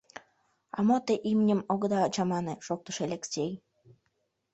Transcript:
— А мо те имньым огыда чамане, — шоктыш Элексей.